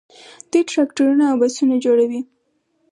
دوی ټراکټورونه او بسونه جوړوي.